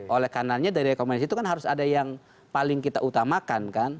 oleh kanannya dari rekomendasi itu kan harus ada yang paling kita utamakan kan